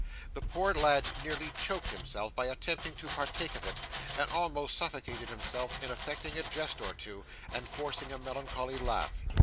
The poor lad nearly choked himself by attempting to partake of it, and almost suffocated himself in affecting a jest or two, and forcing a melancholy laugh.